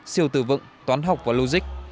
siêu tử vựng toán học và logic